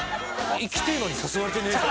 行きてえのに誘われてねえ。